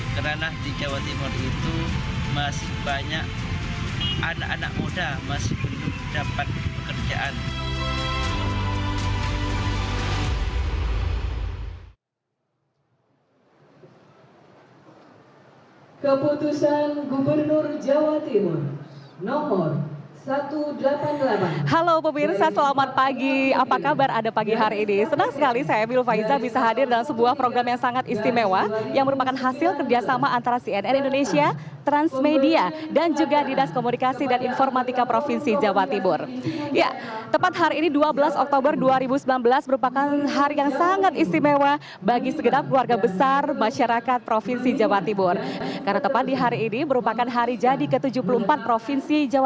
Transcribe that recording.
karena di jawa timur itu masih banyak anak anak muda masih belum dapat pekerjaan